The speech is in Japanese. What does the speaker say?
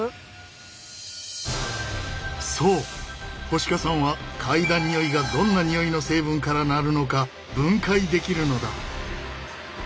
そう星加さんは嗅いだ匂いがどんな匂いの成分から成るのか分解できるのだ。